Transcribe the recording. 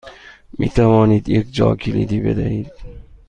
می توانید یک جاکلیدی بدهید؟